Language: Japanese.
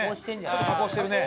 ちょっと加工してるね。